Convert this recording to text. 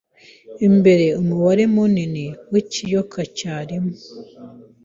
imbere umubare munini wikiyoka cyarimo